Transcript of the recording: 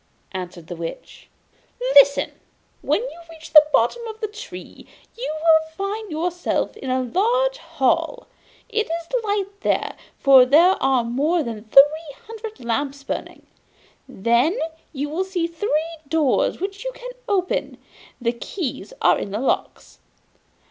answered the Witch. 'Listen! When you reach the bottom of the tree you will find yourself in a large hall; it is light there, for there are more than three hundred lamps burning. Then you will see three doors, which you can open the keys are in the locks.